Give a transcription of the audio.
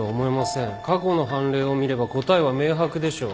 過去の判例を見れば答えは明白でしょう。